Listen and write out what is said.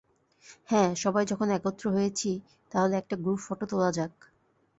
হ্যাঁ, সবাই যখন একত্র হয়েছি তাহলে একটা গ্রুপ ফটো তোলা যাক।